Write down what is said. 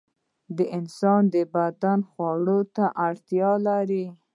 د انسان بدن خوړو ته اړتیا لري.